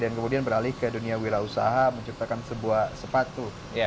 dan kemudian beralih ke dunia wirausaha menciptakan sebuah sepatu